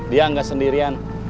dia nggak sendirian